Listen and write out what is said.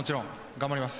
頑張ります。